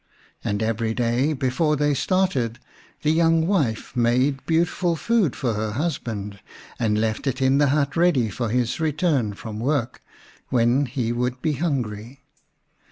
And every day before they started the young wife made beautiful food for her husband, and left it in the hut ready for his return from work, when he would be hungry.